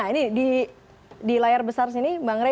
nah ini di layar besar sini bang rey